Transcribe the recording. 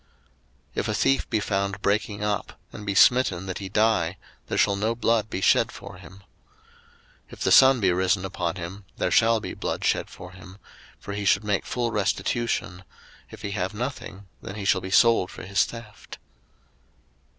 02:022:002 If a thief be found breaking up, and be smitten that he die, there shall no blood be shed for him. 02:022:003 If the sun be risen upon him, there shall be blood shed for him; for he should make full restitution; if he have nothing, then he shall be sold for his theft.